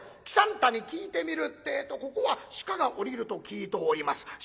喜三太に聞いてみるってえと「ここは鹿が下りると聞いております。